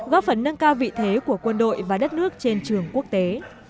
góp phần nâng cao vị thế của quân đội và đất nước trên trường quốc tế